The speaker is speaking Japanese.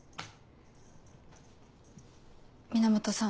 源さん。